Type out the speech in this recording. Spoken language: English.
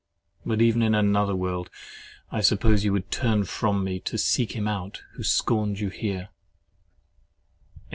But even in another world, I suppose you would turn from me to seek him out who scorned you here.